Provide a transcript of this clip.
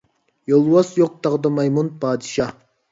يولۋاس يوق تاغدا مايمۇن پادىشاھ.